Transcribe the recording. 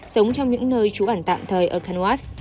sống trong những nơi trú ẩn tạm thời ở kanowas